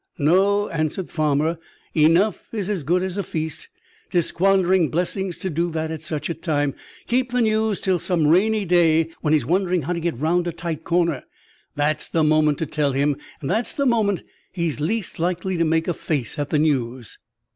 "No," answered Farmer. "'Enough is as good as a feast.' 'Tis squandering blessings to do that at such a time. Keep the news till some rainy day, when he's wondering how to get round a tight corner. That's the moment to tell him; and that's the moment he's least likely to make a face at the news."